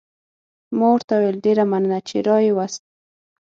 ما ورته وویل: ډېره مننه، چې را يې وست.